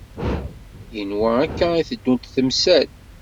Yenwa akka i teddunt temsal.